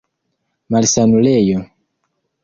malsanulejo